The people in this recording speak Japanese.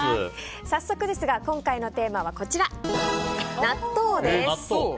早速ですが、今回のテーマは納豆です。